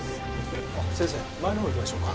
先生前のほう行きましょうか。